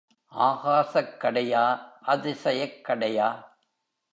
ஆகாசக் கடையா அதிசயக் கடையா!